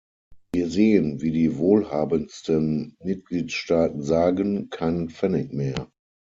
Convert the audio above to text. Wir sehen, wie die wohlhabendsten Mitgliedstaaten sagen "keinen Pfennig mehr".